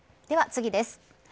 では次です。